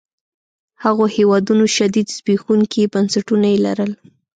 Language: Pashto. هغو هېوادونو شدید زبېښونکي بنسټونه يې لرل.